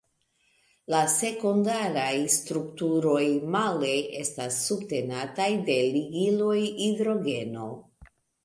La sekundaraj strukturoj, male, estas subtenataj de ligiloj hidrogeno.